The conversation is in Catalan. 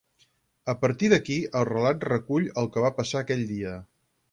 A partir d'aquí el relat recull el que va passar aquell dia.